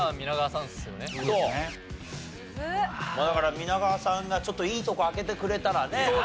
だから皆川さんがちょっといいとこ開けてくれたらね